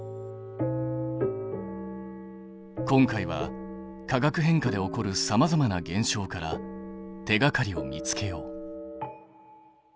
今回は化学変化で起こるさまざまな現象から手がかりを見つけよう。